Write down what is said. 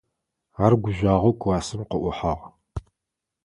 Ар гужъуагъэу классым къыӀухьагъ.